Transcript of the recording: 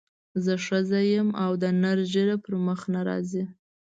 زه ښځه یم او د نر ږیره پر مخ نه راځي.